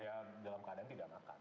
ya dalam keadaan tidak makan